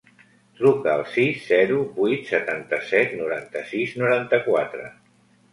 Truca al sis, zero, vuit, setanta-set, noranta-sis, noranta-quatre.